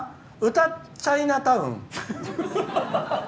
歌っちゃいなタウン！」